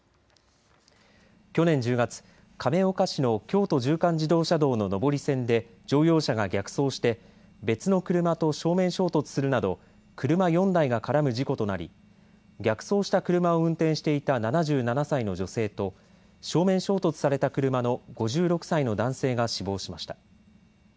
去年１０月、亀岡市の京都縦貫自動車道の上り線で乗用車が逆走して別の車と正面衝突するなど車４台が絡む事故となり逆走した車を運転していた７７歳の女性と正面衝突された車の５６歳の男性が死亡しました。